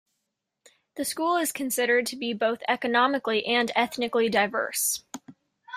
The school is considered to be both economically and ethnically diverse.